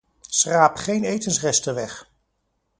Schraap geen etensresten weg.